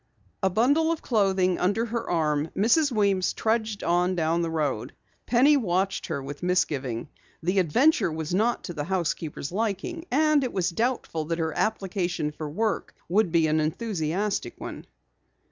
A bundle of clothing under her arm, Mrs. Weems trudged on down the road. Penny watched her with misgiving. The adventure was not to the housekeeper's liking, and it was doubtful that her application for work would be an enthusiastic one.